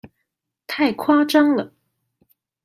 太誇張了！